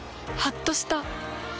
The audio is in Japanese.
はっとした。